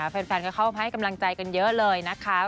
แฟนก็เข้ามาให้กำลังใจกันเยอะเลยนะคะ